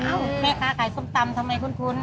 อ้าวแม่ตาขายส้มตำทำไมคุณ